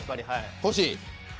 欲しい？